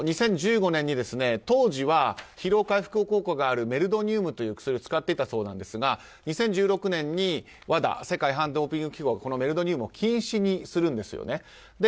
２０１５年に当時は疲労回復効果があるメルドニウムという薬を使っていたそうですが２０１６年にＷＡＤＡ・世界アンチ・ドーピング機関はこのメルドニウムを禁止にするんですよね。